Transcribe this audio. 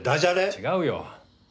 違うよ。